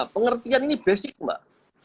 pengertian ini basic mbak